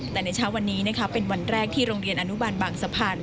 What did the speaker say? แต่ในเช้าวันนี้เป็นวันแรกที่โรงเรียนอนุบาลบางสะพาน